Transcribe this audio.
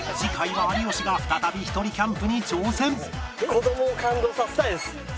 子どもを感動させたいです。